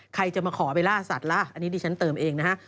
ใครจะมาขอไปล่าสัตว์ล่ะอันนี้ดิฉันเติมเองนะฮะ